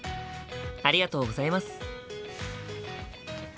ありがとうございます。